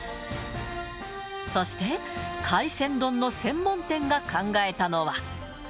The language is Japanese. そして、海鮮丼の専門店が考えたのは。